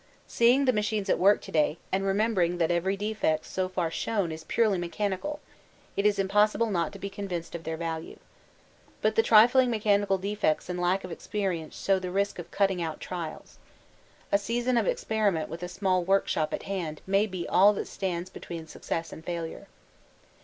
Seeing the machines at work to day, and remembering that every defect so far shown is purely mechanical, it is impossible not to be convinced of their value. But the trifling mechanical defects and lack of experience show the risk of cutting out trials. A season of experiment with a small workshop at hand may be all that stands between success and failure.